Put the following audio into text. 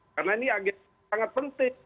karena ini agensi sangat penting